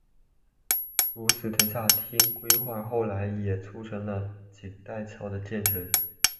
如此的城下町规划后来也促成了锦带桥的建成。